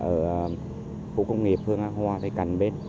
ở khu công nghiệp